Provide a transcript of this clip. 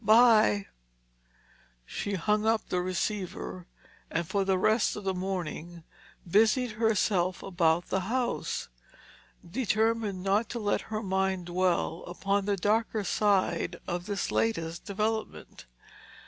"Bye." She hung up the receiver and for the rest of the morning, busied herself about the house, determined not to let her mind dwell upon the darker side of this latest development.